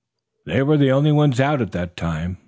They were the only ones out at that time.